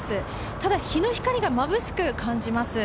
ただ日の光がまぶしく感じます。